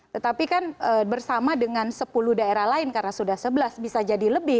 tetapi kan bersama dengan sepuluh daerah lain karena sudah sebelas bisa jadi lebih